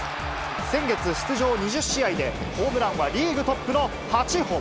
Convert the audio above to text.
先月、出場２０試合でホームランはリーグトップの８本。